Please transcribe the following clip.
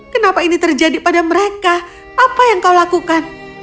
kenapa ini terjadi pada mereka apa yang kau lakukan